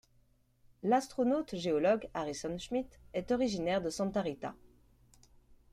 L'astronaute géologue Harrison Schmitt est originaire de Santa Rita.